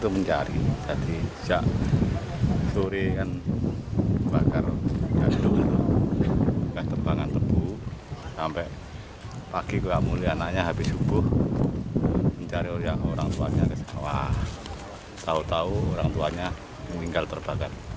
mencari orang tuanya wah tau tau orang tuanya meninggal terbakar